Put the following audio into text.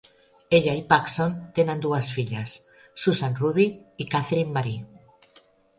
Ella i Paxon tenen dues filles, Susan Ruby i Katherine Marie.